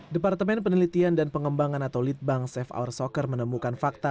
departemen penelitian dan pengembangan atau litbang safe our soccer menemukan fakta